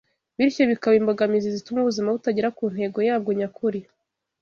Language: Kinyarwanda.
bityo bikaba imbogamizi zituma ubuzima butagera ku ntego yabwo nyakuri.